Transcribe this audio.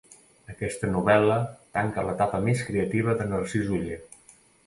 Aquesta novel·la tanca l'etapa més creativa de Narcís Oller.